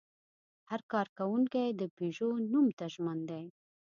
هر کارکوونکی د پيژو نوم ته ژمن دی.